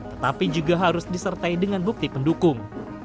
tetapi juga harus disertai dengan bukti pendukung